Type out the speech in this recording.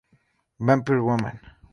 Vampire Woman".